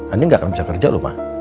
andien gak akan bisa kerja loh mah